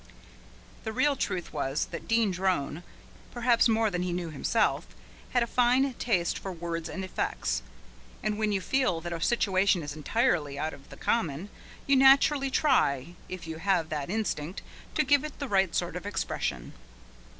The real truth was that Dean Drone, perhaps more than he knew himself, had a fine taste for words and effects, and when you feel that a situation is entirely out of the common, you naturally try, if you have that instinct, to give it the right sort of expression.